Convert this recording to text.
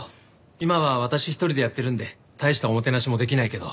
今は私一人でやってるんで大したおもてなしもできないけど。